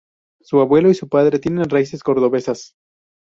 Su abuelo y su padre tienen raíces cordobesas.